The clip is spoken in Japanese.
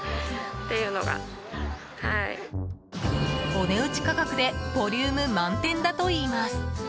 お値打ち価格でボリューム満点だといいます。